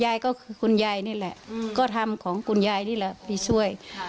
ยายก็คือคุณยายนี่แหละก็ทำของคุณยายนี่แหละไปช่วย